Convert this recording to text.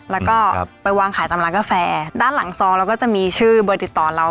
แล้วก็ไปวางขายตามร้านกาแฟด้านหลังซองเราก็จะมีชื่อเบอร์ติดต่อเรา